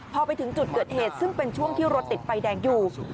พอไปถึงจุดเกิดเหตุซึ่งเป็นช่วงที่รถติดไฟแดงอยู่